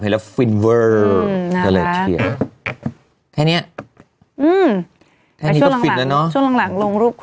ไลน์สวยมาก